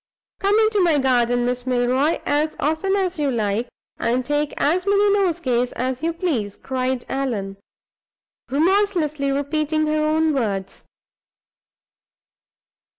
"Come into my garden, Miss Milroy, as often as you like, and take as many nosegays as you please," cried Allan, remorselessly repeating her own words.